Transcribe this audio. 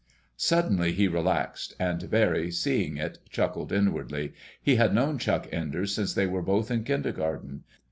Suddenly he relaxed, and Barry, seeing it, chuckled inwardly. He had known Chick Enders since they were both in kindergarten.